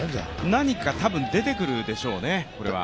何か、多分出てくるでしょうね、これは。